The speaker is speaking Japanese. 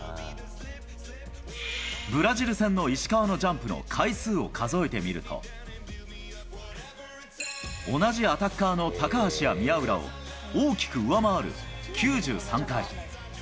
ブラジル戦の石川のジャンプの回数を数えてみると、同じアタッカーの高橋や宮浦を大きく上回る９３回。